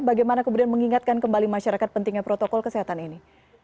bagaimana kemudian mengingatkan kembali masyarakat pentingnya protokol kesehatan ini